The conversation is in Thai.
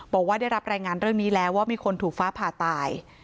บอกว่าได้รับรายงานเรื่องนี้แล้วว่ามีคนถูกฟ้าผ่าตาย